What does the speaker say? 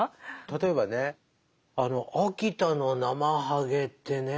例えばね秋田のナマハゲってね